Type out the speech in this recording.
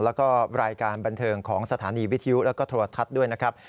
แล้วก็รายการบันเทิงของสถานีวิทยุแล้วก็โทรทัศน์ด้วยนะครับ